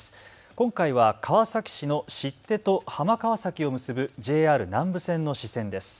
今回は川崎市の尻手と浜川崎を結ぶＪＲ南武線の支線です。